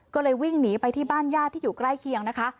ก็เลยวิ่งหนีไปที่บ้านญาติที่อยู่ใกล้เคียงนะคะ